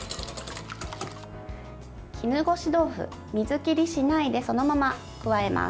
絹ごし豆腐、水切りしないでそのまま加えます。